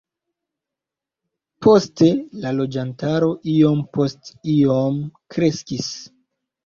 Poste la loĝantaro iom post iom kreskis.